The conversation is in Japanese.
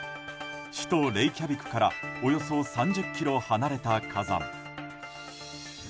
首都レイキャビクからおよそ３０ｋｍ離れた火山。